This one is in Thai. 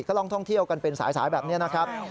ก็ลองท่องเที่ยวกันเป็นสายแบบนี้นะครับ